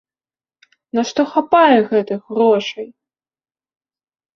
На што хапае гэтых грошай?